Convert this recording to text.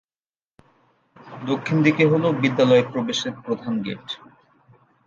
দক্ষিণ দিকে হলো বিদ্যালয়ে প্রবেশের প্রধান গেট।